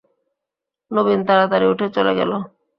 নবীন তাড়াতাড়ি উঠে চলে গেল।